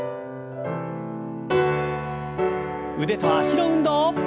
腕と脚の運動。